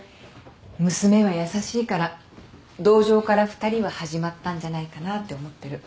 娘は優しいから同情から２人は始まったんじゃないかなって思ってる。